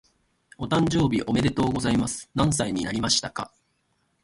お誕生日おめでとうございます。何歳になりましたか？